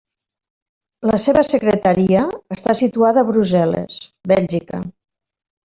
La seva Secretaria està situada a Brussel·les, Bèlgica.